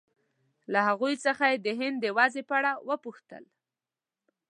له هغوی څخه یې د هند د وضعې په اړه وپوښتل.